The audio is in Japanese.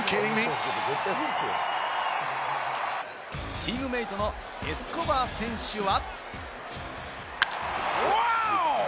チームメートのエスコバー選手は。